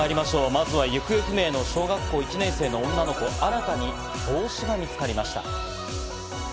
まずは行方不明の小学校１年生の女の子、新たに帽子が見つかりました。